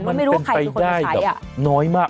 มันเป็นไปได้แบบน้อยมาก